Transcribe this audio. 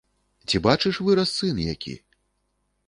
Ці бачыш, вырас сын які?